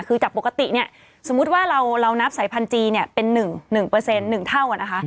คือจากปกติสมมติว่าเรานับสายพันธุ์จีนเป็น๑๑เท่า